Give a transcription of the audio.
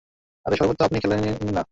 আরে শরবত তো আপনি খেলেনই না।